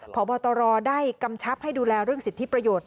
พบตรได้กำชับให้ดูแลเรื่องสิทธิประโยชน์